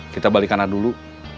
kita balik kanan dulu